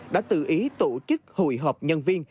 đã tự ý tổ chức hội họp nhân viên